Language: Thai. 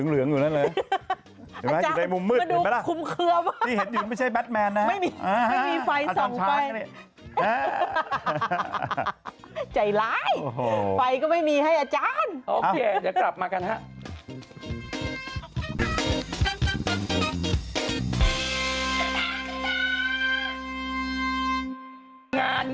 พรุ่งนี้อยู่ด้วยมะ